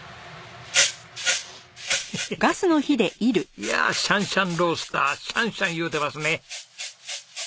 いやシャンシャンロースターシャンシャンいうてますね。